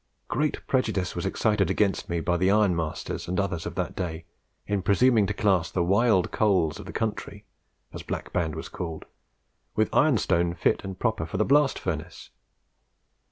Great prejudice was excited against me by the ironmasters and others of that day in presuming to class the WILD COALS of the country (as Black Band was called) with ironstone fit and proper for the blast furnace.